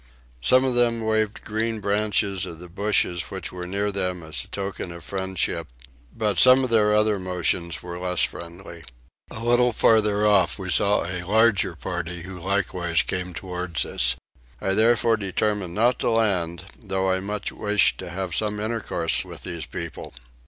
Some of them waved green branches of the bushes which were near them as a token of friendship; but some of their other motions were less friendly. A little farther off we saw a larger party who likewise came towards us. I therefore determined not to land though I much wished to have had some intercourse with these people.